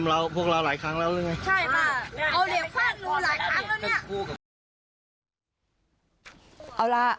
เอาล่ะ